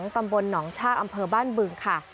ตำบลหนองชากอำเภอบ้านบึงค่ะ